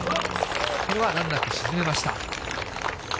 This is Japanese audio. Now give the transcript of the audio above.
これは難なく沈めました。